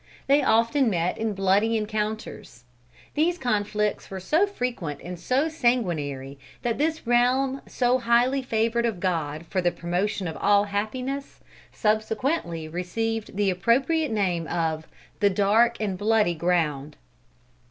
They often met in bloody encounters. These conflicts were so frequent and so sanguinary, that this realm so highly favored of God for the promotion of all happiness, subsequently received the appropriate name of "The dark and bloody ground."